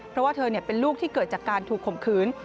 เพราะว่าเธอเป็นลูกที่เกิดจากการถูกข่มขืน